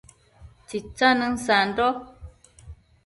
Tsitsanën sando